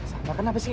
sama kenapa sih